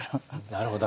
なるほど。